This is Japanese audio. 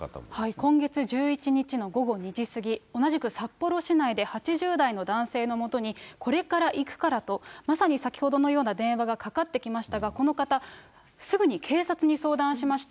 今月１１日の午後２時過ぎ、同じく札幌市内で８０代の男性のもとにこれから行くからと、まさに先ほどのような電話がかかってきましたが、この方、すぐに警察に相談しました。